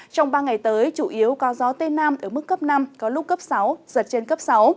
trong ba ngày tới chủ yếu có gió tây nam ở mức cấp năm có lúc cấp sáu giật trên cấp sáu